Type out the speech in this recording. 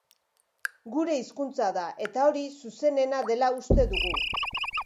Gure hizkuntza da eta hori zuzenena dela uste dugu.